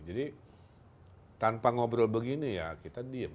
jadi tanpa ngobrol begini ya kita diem